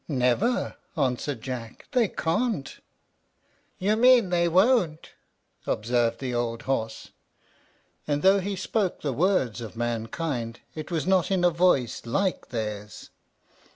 "Never," answered Jack; "they can't." "You mean they won't," observed the old horse; and though he spoke the words of mankind, it was not in a voice like theirs.